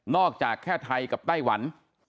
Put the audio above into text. จากแค่ไทยกับไต้หวัน